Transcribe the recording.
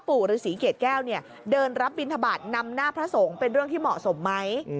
ปู่ฤษีเกรดแก้วเนี่ยเดินรับบินทบาทนำหน้าพระสงฆ์เป็นเรื่องที่เหมาะสมไหม